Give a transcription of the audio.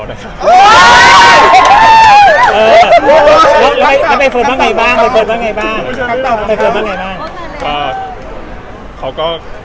จะไปเฟิร์ดบ้างไงบ้าง